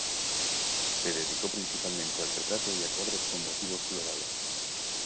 Se dedicó principalmente al retrato y a cuadros con motivos florales.